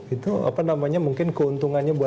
itu apa namanya mungkin keuntungannya buat